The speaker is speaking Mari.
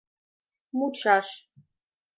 МУЧАШ